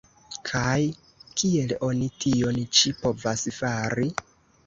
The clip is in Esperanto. Kaj kiel oni tion ĉi povas fari?